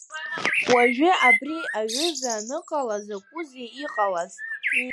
Уажәы абри аҩыза аныҟала закәызеи иҟалаз?